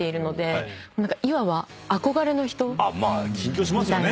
まあ緊張しますよね